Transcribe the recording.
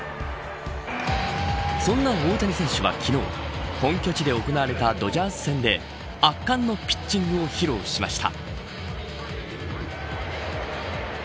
そんな大谷選手は昨日本拠地で行われたドジャース戦で圧巻のピッチングを披露しました。